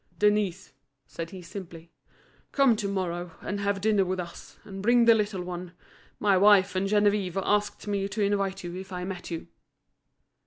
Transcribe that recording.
"Denise," said he simply, "come to morrow and have dinner with us and bring the little one. My wife and Geneviève asked me to invite you if I met you."